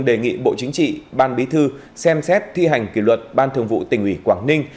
đề nghị bộ chính trị ban bí thư xem xét thi hành kỷ luật ban thường vụ tỉnh ủy quảng ninh